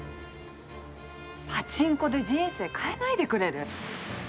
パチンコで人生変えないでくれる？